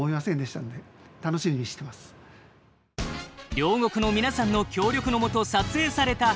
両国の皆さんの協力の下撮影された「ひらり」。